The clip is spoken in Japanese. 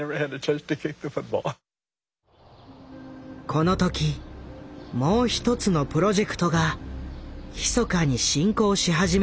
この時もう一つのプロジェクトがひそかに進行し始めていた。